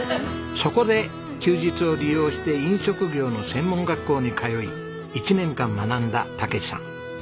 そこで休日を利用して飲食業の専門学校に通い１年間学んだ武史さん。